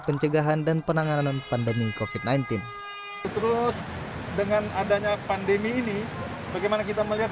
pencegahan dan penanganan pandemi kofit sembilan belas terus dengan adanya pandemi ini bagaimana kita melihat